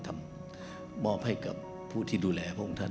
มอบให้กับผู้ที่ดูแลพระองค์ท่าน